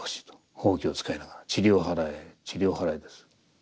ほうきを使いながら「塵を払え塵を払え」です。